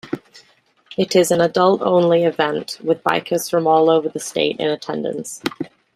It is an adult-only event, with bikers from all over the state in attendance.